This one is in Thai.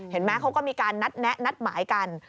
เห็นไหมเขาก็มีการนัดแนะนัดหมายกัน